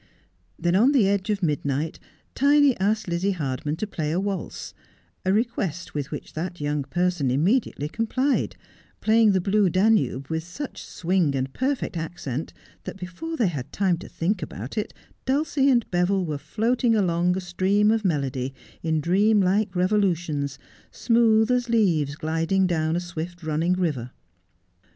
Then on the edge of midnight Tiny asked Lizzie Hardman to play a waltz, a request with which that young person immediately com plied, playing the Blue Danube with such swing and perfect accent that before they had time to think about it Dulcie and Beville were floating along a stream of melody, in dream like revolutions, smooth as leaves gliding down a swift running river.